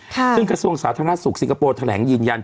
ซึ่งกระทรวงสาธารณสุขสิงคโปร์แถลงยืนยัน